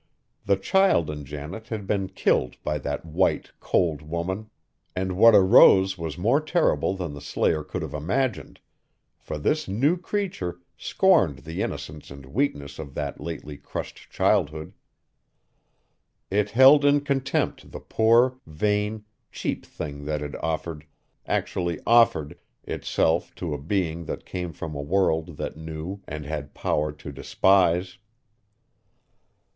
The child in Janet had been killed by that white, cold woman, and what arose was more terrible than the slayer could have imagined, for this new creature scorned the innocence and weakness of that lately crushed childhood. It held in contempt the poor, vain, cheap thing that had offered, actually offered, itself to a being that came from a world that knew and had power to despise.